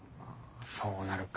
そうなるか。